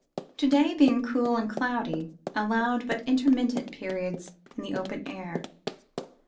To day, being cool and cloudy, allowed but intermittent periods in the open air.